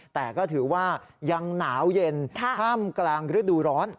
แต่ก็ถือว่ายังหนาวเย็นท่ามกลางฤดูร้อน